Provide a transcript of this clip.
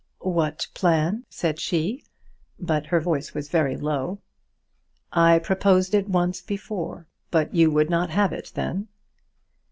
"What plan?" said she; but her voice was very low. "I proposed it once before, but you would not have it then."